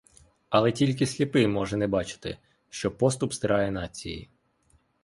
Але тільки сліпий може не бачити, що поступ стирає нації.